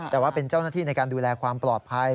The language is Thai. แต่ว่าเป็นเจ้าหน้าที่ในการดูแลความปลอดภัย